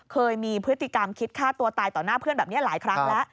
เคยมีพฤติกรรมคิดฆ่าตัวตายต่อหน้าเพื่อนแบบนี้หลายครั้งแล้ว